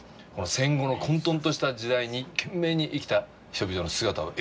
戦後の混沌とした時代に懸命に生きた人々の姿を描き出します。